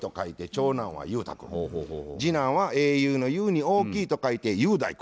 次男は「英雄の雄」に「大きい」と書いて雄大君。